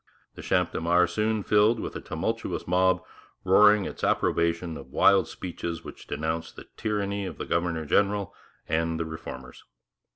The Champ de Mars soon filled with a tumultuous mob, roaring its approbation of wild speeches which denounced the 'tyranny' of the governor general and the Reformers.